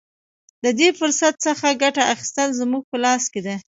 د دې فرصت څخه ګټه اخیستل زموږ په لاس کې دي.